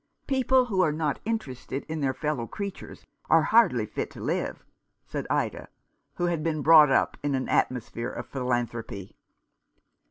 "People who are not interested in their fellow creatures are hardly fit to live," said Ida, who had been brought up in an atmosphere of philanthropy.